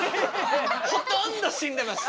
ほとんど死んでます。